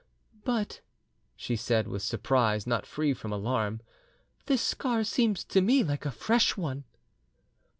"But," she said, with surprise not free from alarm, "this scar seems to me like a fresh one."